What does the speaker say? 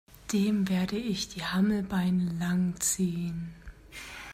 Dem werde ich die Hammelbeine lang ziehen!